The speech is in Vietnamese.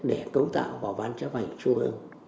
để cấu tạo vào ban chấp hành trung ương